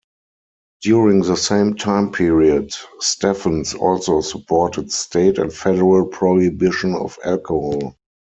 During the same time period, Stephens also supported state and federal prohibition of alcohol.